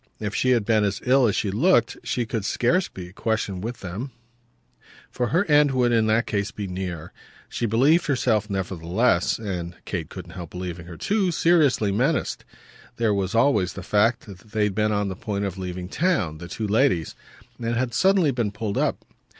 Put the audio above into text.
If she had been as ill as she looked she could scarce be a question with them, for her end would in that case be near. She believed herself nevertheless and Kate couldn't help believing her too seriously menaced. There was always the fact that they had been on the point of leaving town, the two ladies, and had suddenly been pulled up.